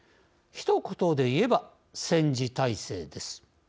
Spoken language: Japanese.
ひと言で言えば戦時体制です。